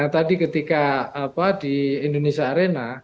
tadi ketika di indonesia arena